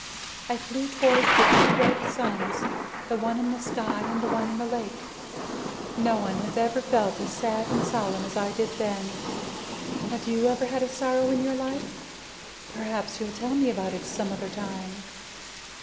I flew toward the two red suns, the one in the sky and the one in the lake. No one has ever felt as sad and solemn as I did then. Have you ever had a sorrow in your life? Perhaps you'll tell me about it some other time."